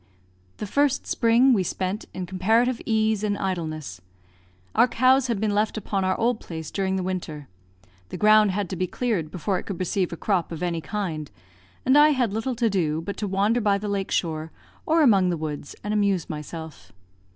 The first spring we spent in comparative ease and idleness. Our cows had been left upon our old place during the winter. The ground had to be cleared before it could receive a crop of any kind, and I had little to do but to wander by the lake shore, or among the woods, and amuse myself.